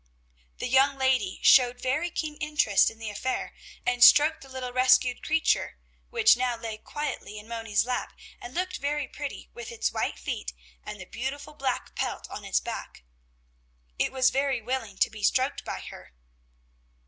The young lady showed very keen interest in the affair and stroked the little rescued creature, which now lay quietly in Moni's lap and looked very pretty, with its white feet, and the beautiful black pelt on its back. It was very willing to be stroked by her.